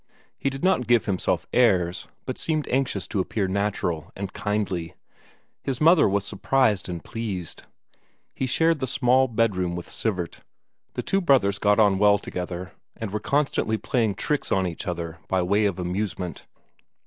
He did not give himself airs, but seemed anxious to appear natural and kindly; his mother, was surprised and pleased. He shared the small bedroom with Sivert; the two brothers got on well together, and were constantly playing tricks on each other by way of amusement.